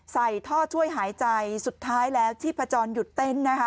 ใส่ท่อช่วยหายใจสุดท้ายแล้วชีพจรหยุดเต้นนะคะ